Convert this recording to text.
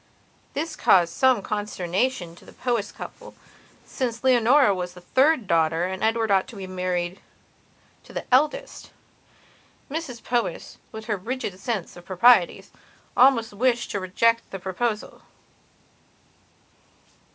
This caused some consternation to the Powys couple, since Leonora was the third daughter and Edward ought to have married the eldest. Mrs Powys, with her rigid sense of the proprieties, almost wished to reject the proposal.